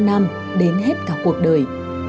nam đến hết cả cuộc đời